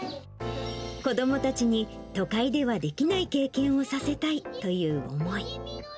子どもたちに都会ではできない経験をさせたいという思い。